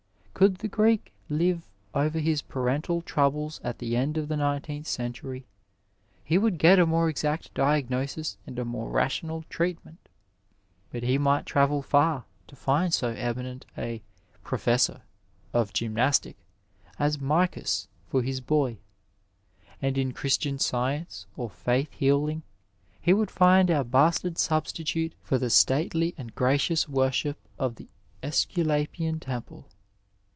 Could the Greek live over his parental troubles at the end of the nineteenth century, he would get a more exact diagnosis and a more rational treatment; but he might travel far to find so eminent a ^^ professor " of gymnastic as Miccus for his boy, and in Christian science or faith healing he would find our bastard substitute for the stately and gracious worship of the ^culapian temple.